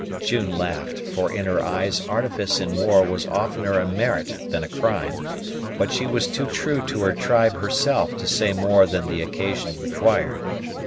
June laughed, for in her eyes artifice in war was oftener a merit than a crime; but she was too true to her tribe herself to say more than the occasion required.